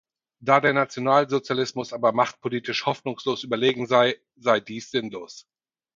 Da der Nationalsozialismus aber machtpolitisch hoffnungslos überlegen sei, sei dies sinnlos.